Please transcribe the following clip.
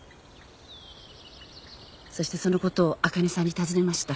そしてそのことをあかねさんに尋ねました。